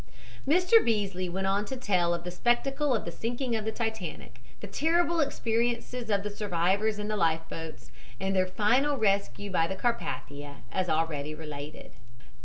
Mr. Beasley went on to tell of the spectacle of the sinking of the Titanic, the terrible experiences of the survivors in the life boats and their final rescue by the Carpathia as already related.